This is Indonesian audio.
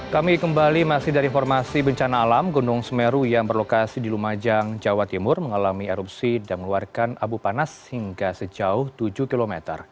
kami kembali masih dari informasi bencana alam gunung semeru yang berlokasi di lumajang jawa timur mengalami erupsi dan mengeluarkan abu panas hingga sejauh tujuh km